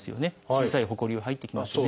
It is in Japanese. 小さいほこりは入ってきますよね。